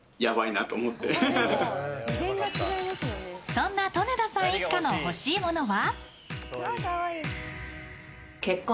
そんな利根田さん一家の欲しいものは？